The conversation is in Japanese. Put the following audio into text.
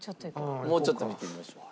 もうちょっと見てみましょう。